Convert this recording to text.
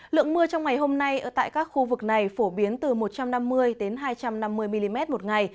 lượng mưa trong ngày hôm nay tại các khu vực này phổ biến từ một trăm năm mươi hai trăm năm mươi mm một ngày